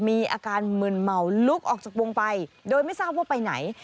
มีอาการมึนเมาลุกออกจากวงไปโดยไม่ทราบว่าไปไหน